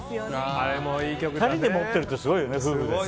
２人、夫婦で持ってるってすごいよね。